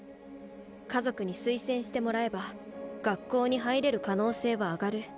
家族に推薦してもらえば学校に入れる可能性は上がる。